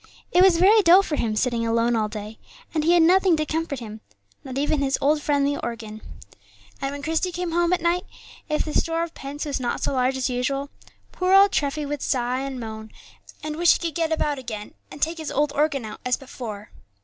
It was very dull for him sitting alone all day; and he had nothing to comfort him, not even his old friend the organ. And when Christie came home at night, if the store of pence was not so large as usual, poor old Treffy would sigh and moan, and wish he could get about again, and take his old organ out as before.